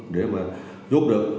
để mà giúp được